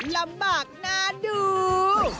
ลำบากน่าดู